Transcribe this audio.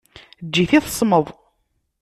Eǧǧ-it i tesmeḍ.